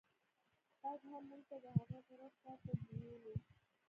باد هم موږ د هغه غره خواته بېولو.